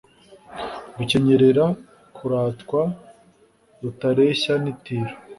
Rukenyerera kuratwaRutareshya n' Itiro